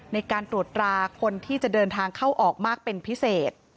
ในการตรวจราคนที่จะเดินทางเข้าออกมากเป็นพิเศษ